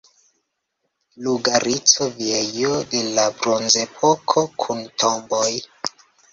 Lugarico Viejo de la Bronzepoko kun tomboj.